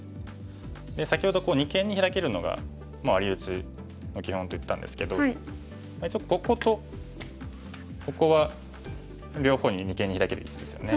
で先ほど二間にヒラけるのがワリウチの基本と言ったんですけどこことここは両方に二間にヒラける位置ですよね。